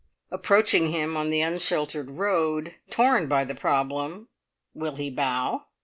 Approaching him on the unsheltered road, torn by the problem, "Will he bow?